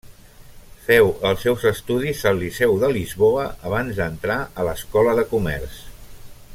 Féu els seus estudis al Liceu de Lisboa abans d'entrar a l'Escola de Comerç.